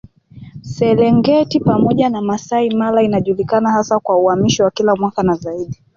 Serengeti pamoja na Masai Mara inajulikana hasa kwa uhamisho wa kila mwaka na zaidi